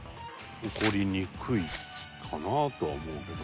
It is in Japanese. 起こりにくいかなとは思うけど。